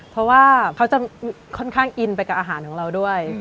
เพราะว่าเขาจะค่อนข้างอินไปกับอาหารของเราด้วย